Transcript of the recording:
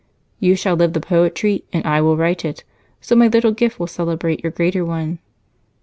"You shall live the poetry, and I will write it, so my little gift will celebrate your greater one."